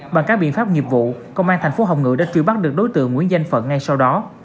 bằng các biện pháp nghiệp vụ công an thành phố hồng ngự đã truy bắt được đối tượng nguyễn danh phượng ngay sau đó